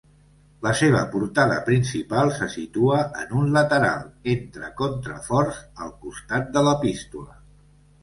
La seva portada principal se situa en un lateral, entre contraforts, al costat de l'Epístola.